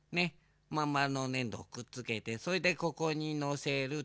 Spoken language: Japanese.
まんまるのねんどをくっつけてそれでここにのせると。